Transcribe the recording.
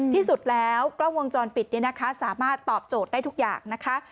ที่สุดแล้วกล้องวงจรปิดเนี่ยนะคะสามารถตอบโจทย์ได้ทุกอย่างนะคะ